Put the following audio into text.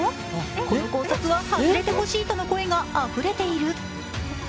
この考察は外れて欲しいとの声があふれている。